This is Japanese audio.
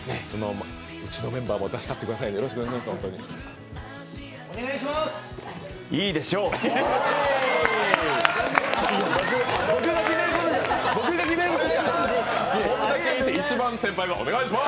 うちのメンバーも出したってくださいね、お願いします。